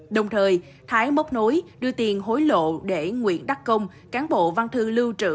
đồng thời thái mốc nối đưa tiền hối lộ để nguyễn đắc công cán bộ văn thư lưu trữ